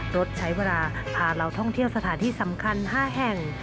รถใช้เวลาพาเราท่องเที่ยวสถานที่สำคัญ๕แห่ง